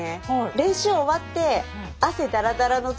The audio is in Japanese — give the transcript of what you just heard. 練習終わって汗だらだらのときに